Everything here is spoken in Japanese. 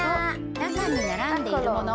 中に並んでいるもの